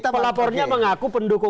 tidak ada yang mendeklarasikan diri